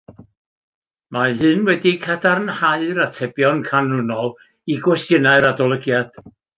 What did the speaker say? Mae hyn wedi cadarnhau'r atebion canlynol i gwestiynau'r adolygiad